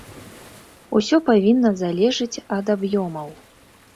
Усё павінна залежыць ад аб'ёмаў.